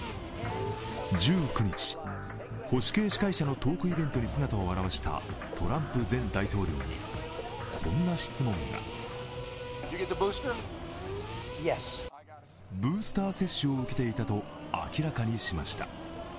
１９日、保守系司会者のトークイベントに姿を現したトランプ前大統領に、こんな質問がブースター接種を受けていたと明らかにしました。